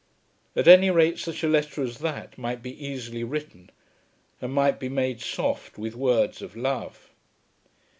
At any rate such a letter as that might be easily written, and might be made soft with words of love.